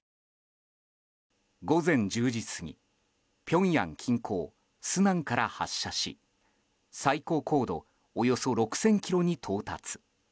午前１０時過ぎピョンヤン近郊スナンから発射し最高高度およそ６０００ｋｍに到達。